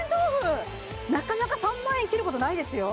なかなか３万円切ることないですよ